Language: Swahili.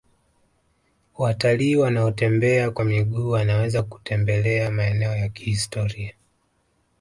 watalii wanaotembea kwa miguu wanaweza kutembelea maeneo ya kihistoria